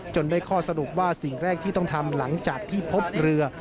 ได้ข้อสรุปว่าสิ่งแรกที่ต้องทำหลังจากที่พบเรือ